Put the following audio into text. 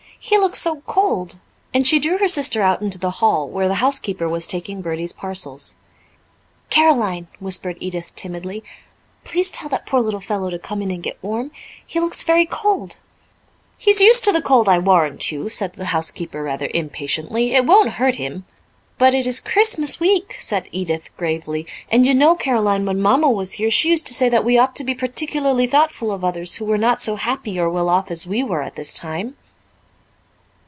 He looks so cold." And she drew her sister out into the hall, where the housekeeper was taking Bertie's parcels. "Caroline," whispered Edith timidly, "please tell that poor little fellow to come in and get warm he looks very cold." "He's used to the cold, I warrant you," said the housekeeper rather impatiently. "It won't hurt him." "But it is Christmas week," said Edith gravely, "and you know, Caroline, when Mamma was here she used to say that we ought to be particularly thoughtful of others who were not so happy or well off as we were at this time."